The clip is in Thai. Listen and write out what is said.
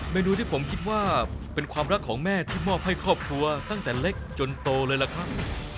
เมนูที่ผมคิดว่าเป็นความรักของแม่ที่มอบให้ครอบครัวตั้งแต่เล็กจนโตเลยล่ะครับ